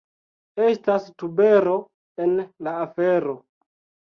Estas tubero en la afero.